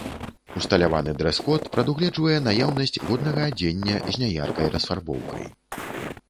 Усталяваны дрэс-код прадугледжвае наяўнасць годнага адзення з няяркай расфарбоўкай.